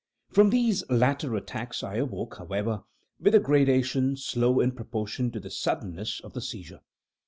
From these latter attacks I awoke, however, with a gradation slow in proportion to the suddenness of the seizure.